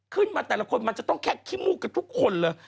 ขึ้นมาแต่ละคนมันจะต้องแค่ขี้มูกกันทุกคนเลย